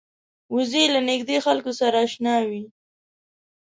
وزې له نږدې خلکو سره اشنا وي